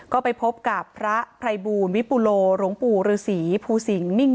ก็ไปพบกับพระภัยบูลวิปุโลหลวงปู่ฤษีภูสิงหมิ่ง